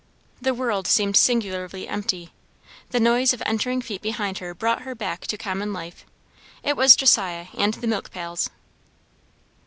The world seemed singularly empty. The noise of entering feet behind her brought her back to common life. It was Josiah and the milk pails.